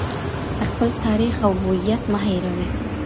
خپل تاریخ او هویت مه هیروئ.